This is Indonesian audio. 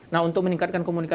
nah untuk meningkatkan komunikasi